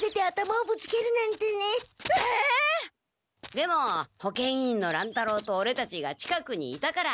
でも保健委員の乱太郎とオレたちが近くにいたから。